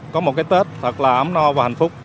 có một cái tết thật là ấm no và hạnh phúc